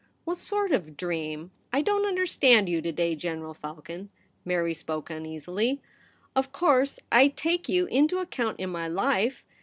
' What sort of dream ? I don't understand you to day. General Falcon,' Mary spoke uneasily. ' Of course, I take you into account in my life.